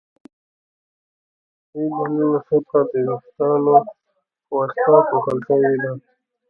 قصبة الریې د ننه سطحه د وېښتانو په واسطه پوښل شوې ده.